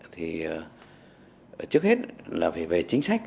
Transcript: thì trước hết là về chính sách